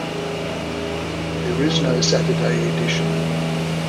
There is no Saturday edition.